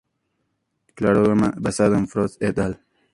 Cladograma basado en Frost "et al.